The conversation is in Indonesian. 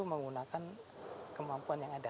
menggunakan kemampuan yang ada